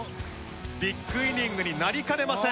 ビッグイニングになりかねません。